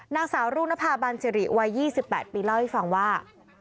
นางสาวรุ่งนภาบันสิริวัย๒๘ปีเล่าให้ฟังว่า